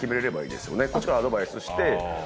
こっちからアドバイスして。